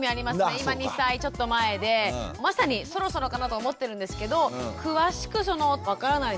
今２歳ちょっと前でまさにそろそろかなと思ってるんですけど詳しくその分からないので今日はね